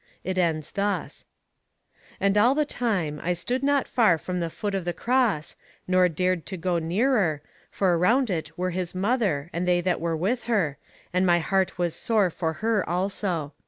It ends thus: "'And all the time, I stood not far from the foot of the cross, nor dared go nearer, for around it were his mother and they that were with her, and my heart was sore for her also.